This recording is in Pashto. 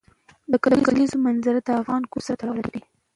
د کلیزو منظره د افغان کلتور سره تړاو لري.